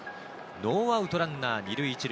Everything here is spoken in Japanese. ノーアウトランナー２塁１塁。